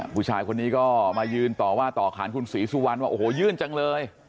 ผู้ชายคนนี้ก็มายืนต่อว่าต่อขานคุณศรีสุวรรณว่าโอ้โหยื่นจังเลย